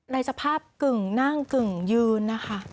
ในสภาพกึ่งนั่งกึ่งยืนนะคะ